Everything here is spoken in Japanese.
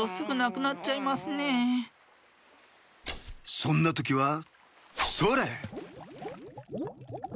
そんなときはそれ！